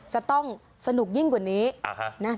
จะต้องสนุกยิ่งกว่านี้นะ